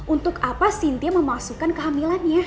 untuk apa sintia memasukkan kehamilannya